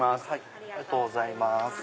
ありがとうございます。